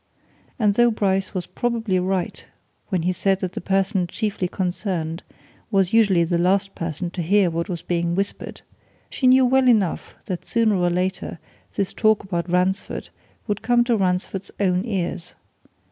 And though Bryce was probably right when he said that the person chiefly concerned was usually the last person to hear what was being whispered, she knew well enough that sooner or later this talk about Ransford would come to Ransford's own ears.